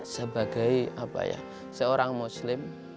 sebagai seorang muslim